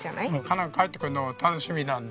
加奈が帰ってくるの楽しみなので。